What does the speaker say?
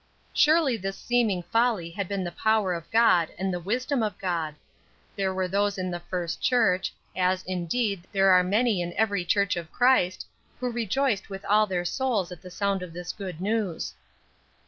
Surely this seeming folly had been the power of God, and the wisdom of God. There were those in the first church, as, indeed, there are many in every church of Christ, who rejoiced with all their souls at the sound of this good news.